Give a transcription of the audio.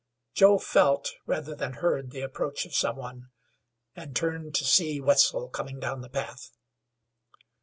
Joe felt, rather than heard, the approach of some one, and he turned to see Wetzel coming down the path.